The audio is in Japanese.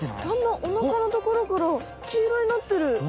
だんだんおなかのところから黄色になってる。